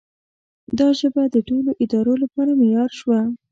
دا ژبه د ټولو ادارو لپاره معیار شوه.